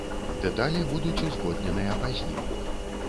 Дэталі будуць узгодненыя пазней.